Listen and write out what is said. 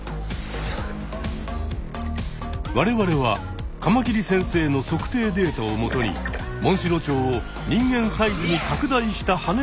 我々はカマキリ先生の測定データをもとにモンシロチョウを人間サイズに拡大したはねを作ってみた。